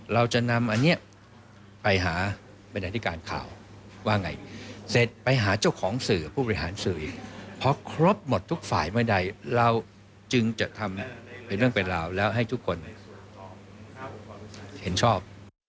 ทำเป็นเรื่องเป็นราวแล้วให้ทุกคนเห็นชอบ